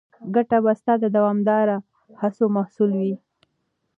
ګټه به ستا د دوامداره هڅو محصول وي.